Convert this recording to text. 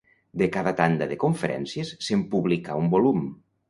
De cada tanda de conferències, se’n publicà un volum.